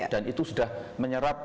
dan itu sudah menyerap